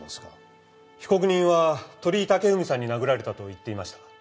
被告人は鳥居武文さんに殴られたと言っていました。